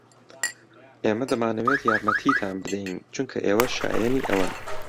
ئێمە دەمانەوێت یارمەتیتان بدەین چونکە ئێوە شایەنی ئەوەن.